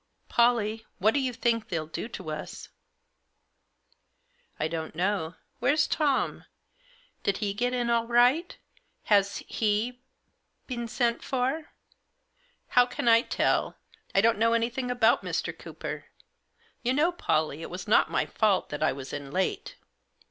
u PolKe, what do you think they* 11 do to us?" u l don't know. Where's Tom? Did he get m all right ? Has he — been sent for ?" "How can 1 tell? I don't know anything about Mr. Cooper. You know, Pollie, it was not my fault that I was in late."